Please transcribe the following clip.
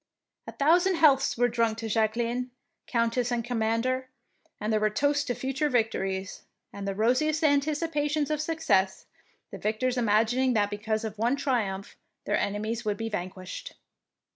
A thou sand healths were drunk to Jacqueline, Countess and Commander, and there were toasts to future victories, and the rosiest anticipations of success, the victors imagining that because of one triumph their enemies would be vanquished.